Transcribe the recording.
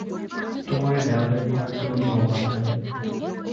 তোমার এই দেওরের ভার তুমিই লও-না, ভাই।